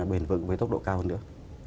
bền vững với tốc độ cao hơn nữa